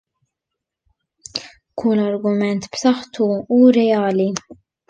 Kien argument b'saħħtu u reali.